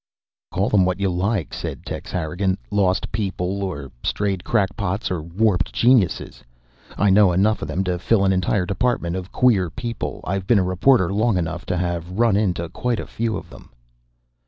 _ "Call them what you like," said Tex Harrigan. "Lost people or strayed, crackpots or warped geniuses I know enough of them to fill an entire department of queer people. I've been a reporter long enough to have run into quite a few of them."